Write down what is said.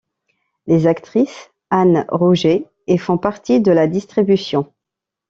Les actrices Anne Rogers et font partie de la distribution.